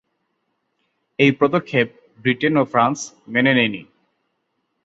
এই পদক্ষেপ ব্রিটেন ও ফ্রান্স মেনে নেয়নি।